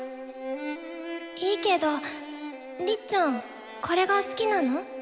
いいけどりっちゃんこれが好きなの？